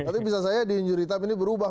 tapi bisa saya di injury time ini berubah